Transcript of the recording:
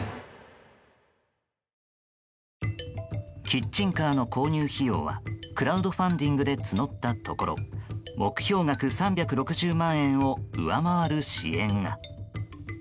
キッチンカーの購入費用はクラウドファンディングで募ったところ目標額３６０万円を上回る支援が。